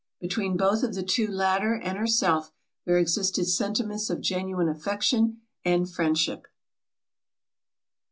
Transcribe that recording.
Between both of the two latter and herself, there existed sentiments of genuine affection and friendship. CHAP.